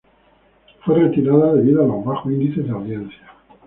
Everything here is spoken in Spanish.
Fue retirada debido a los bajos índices de audiencia.